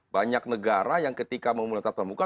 banyak negara yang ketika memulai tatap muka